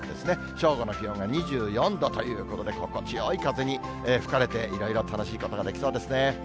正午の気温は２４度ということで、心地よい風に吹かれて、いろいろ楽しいことができそうですね。